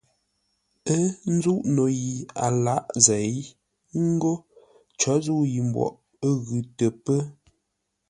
Ə́ nzúʼ no yi a lǎʼ zěi, ə́ ngó: có zə̂u yǐ mboʼ ə́ ghʉ tə pə́.